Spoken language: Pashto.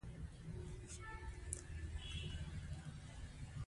د ګوز موتر روغلى.